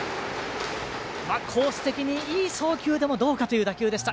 コース的に、いい送球でもどうかという打球でした。